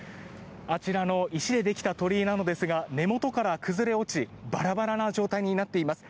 あちらの石でできた鳥居なのですが根元から崩れ落ちバラバラな状態になっています。